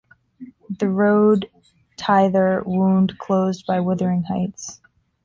The road thither wound close by Wuthering Heights.